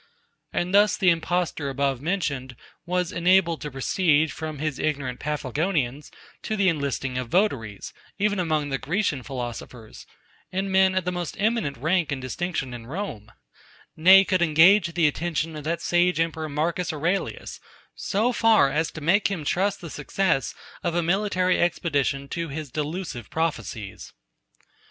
And thus the impostor above mentioned was enabled to proceed, from his ignorant Paphlagonians, to the enlisting of votaries, even among the Grecian philosophers, and men of the most eminent rank and distinction in Rome: nay, could engage the attention of that sage emperor Marcus Aurelius; so far as to make him trust the success of a military expedition to his delusive prophecies.